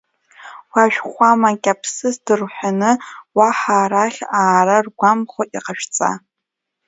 Уашхәамақьаԥсыс дырҳәаны, уаҳа арахь аара ргәамԥхо иҟашәҵа!